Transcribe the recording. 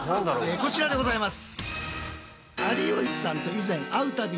こちらでございます。